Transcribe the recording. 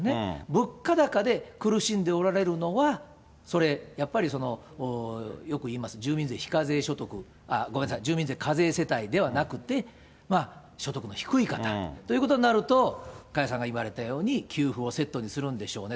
物価高で、苦しんでおられるのはそれ、やっぱり、よく言います、住民税非課税世帯、ごめんなさい、住民税課税世帯ではなくて、所得の低い方ということになると、加谷さんが言われたように、給付をセットにするんでしょうね。